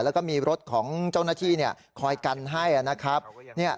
แล้วก็มีรถของเจ้าหน้าที่คอยกันให้นะครับ